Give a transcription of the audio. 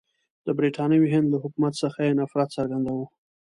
د برټانوي هند له حکومت څخه یې نفرت څرګندوه.